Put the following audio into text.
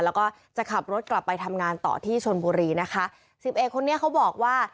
แล้วก็จะขับรถกลับไปทำงานต่อที่ชนบุรีนะคะสิบเอกคนนี้เขาบอกว่า